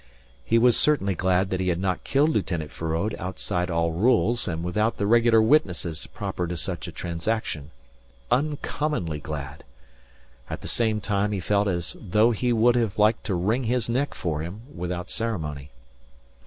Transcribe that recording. He was certainly glad that he had not killed Lieutenant Feraud outside all rules and without the regular witnesses proper to such a transaction. Uncommonly glad. At the same time he felt as though he would have liked to wring his neck for him without ceremony.